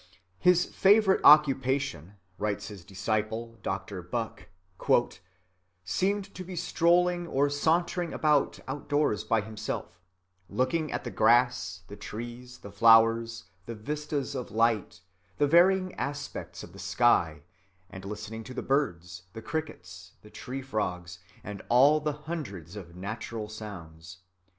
"His favorite occupation," writes his disciple, Dr. Bucke, "seemed to be strolling or sauntering about outdoors by himself, looking at the grass, the trees, the flowers, the vistas of light, the varying aspects of the sky, and listening to the birds, the crickets, the tree frogs, and all the hundreds of natural sounds.